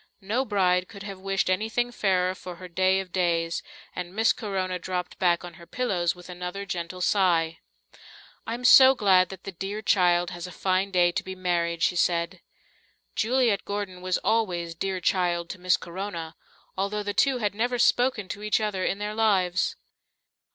No bride could have wished anything fairer for her day of days, and Miss Corona dropped back on her pillows with another gentle sigh. "I'm so glad that the dear child has a fine day to be married," she said. Juliet Gordon was always "dear child" to Miss Corona, although the two had never spoken to each other in their lives.